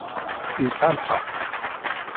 Yesɛa lḥeqq.